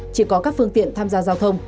chỉ có các phương tiện tham gia giao thông